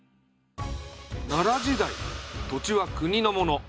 奈良時代土地は国のもの。